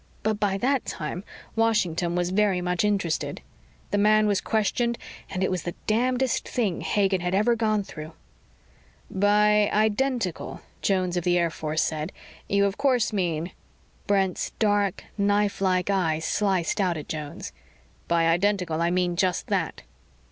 But by that time, Washington was very much interested. The man was questioned and it was the damnedest thing Hagen had ever gone through ... "By identical," Jones of the Air Force said, "you of course mean " Brent's dark, knifelike eyes sliced out at Jones. "By identical, I mean just that."